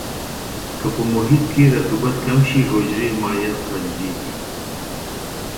که په محیط کې رطوبت کم شي حجرې مایعات خارجيږي.